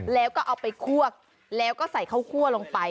แล้วก็เอาไปคั่วแล้วก็ใส่ข้าวคั่วลงไป